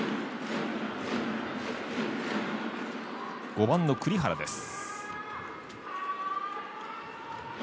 ５番の栗原です。